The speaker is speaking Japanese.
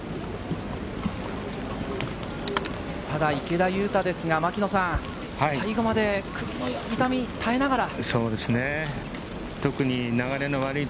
ただ池田勇太ですが、牧野さん、最後まで首の痛みに耐えながら。